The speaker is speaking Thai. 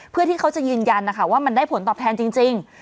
เพื่อที่เขาจะยืนยันนะคะว่ามันได้ผลตอบแทนจริง